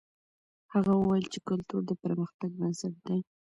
هغه وویل چې کلتور د پرمختګ بنسټ دی.